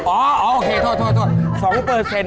โอเคโทษ